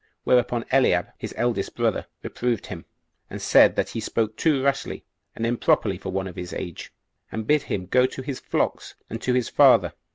Whereupon Eliab, his eldest brother, reproved him, and said that he spoke too rashly and improperly for one of his age, and bid him go to his flocks, and to his father.